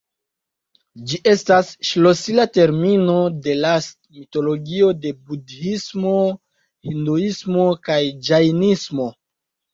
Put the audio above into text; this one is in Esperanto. Ĝi estas ŝlosila termino de las mitologio de budhismo, hinduismo kaj ĝajnismo.